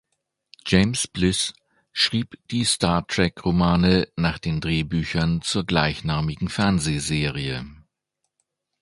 James Blish schrieb die "Star Trek"–Romane nach den Drehbüchern zur gleichnamigen Fernsehserie.